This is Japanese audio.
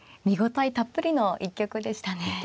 見応えたっぷりの一局でしたね。